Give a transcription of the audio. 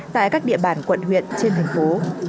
tại các địa bản quận huyện trên thành phố